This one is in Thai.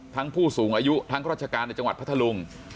ผู้สูงอายุทั้งราชการในจังหวัดพัทธลุง